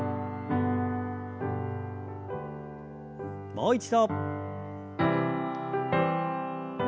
もう一度。